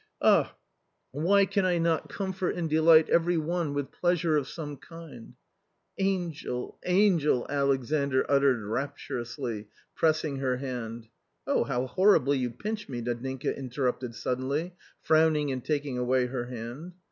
Ah ! why can I not comfort and delight every one with pleasure of some kind ?"" Angel, angel !" Alexandr uttered rapturously, pressing her hand. " Oh, how horribly you pinch me !" Nadinka interrupted suddenly, frowning and taking away her hand.